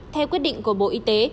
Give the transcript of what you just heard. theo quyết định của bộ y tế